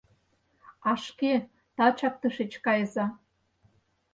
А шке тачак тышеч кайыза.